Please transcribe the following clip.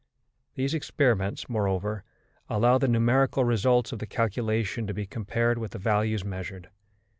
These experiments, moreover, allow the numerical results of the calculation to be compared with the values measured.